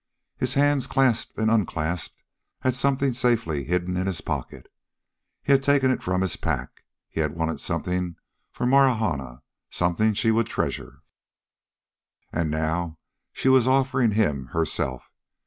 His hand clasped and unclasped at something safely hidden in his pocket. He had taken it from his pack; he had wanted something for Marahna, something she would treasure. And now she was offering him herself.